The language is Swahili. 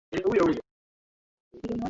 Safari yake kisiasa ilianzia mwaka elfu mbili